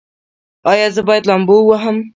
ایا زه باید لامبو ووهم؟